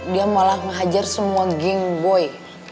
dia malah ngehajar semua geng boy